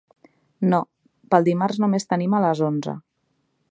No, pel dimarts només tenim a les onze.